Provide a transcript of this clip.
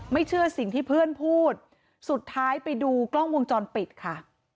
เชื่อสิ่งที่เพื่อนพูดสุดท้ายไปดูกล้องวงจรปิดค่ะ